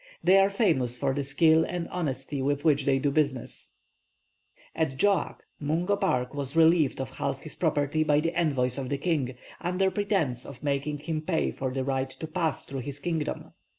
They are famous for the skill and honesty with which they do business." [Illustration: Natives of Senegal.] At Joag, Mungo Park was relieved of half his property by the envoys of the king, under pretence of making him pay for the right to pass through his kingdom.